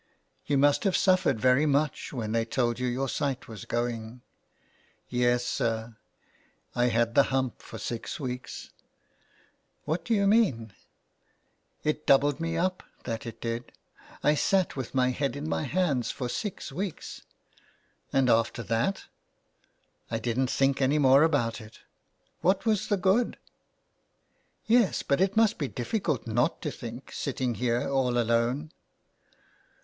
'' You must have suffered very much when they told you your sight was going ?"" Yes, sir. I had the hump for six weeks." '' What do you mean ?"" It doubled me up, that it did. I sat with my head in my hands for six weeks." "And after that?" " I didn't think any more about it — what was the good ?"'' Yes, but it must be difficult not to think, sitting here all alone."